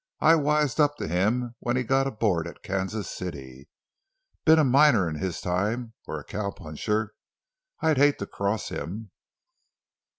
I wised up to him when he got aboard at Kansas City. Been a miner in his time—or a cow puncher. I'd hate to cross him."